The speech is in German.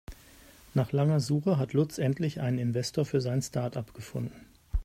Nach langer Suche hat Lutz endlich einen Investor für sein Startup gefunden.